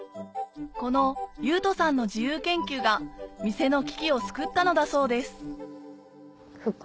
この優翔さんの自由研究が店の危機を救ったのだそうです